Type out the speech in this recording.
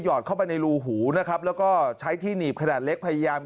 อดเข้าไปในรูหูนะครับแล้วก็ใช้ที่หนีบขนาดเล็กพยายาม